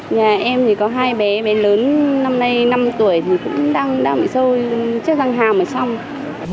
nhà em thì có hai bé bé lớn năm nay năm tuổi thì cũng đang bị sâu chiếc răng hàng ở trong